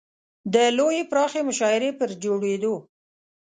د لویې پراخې مشاعرې پر جوړېدو.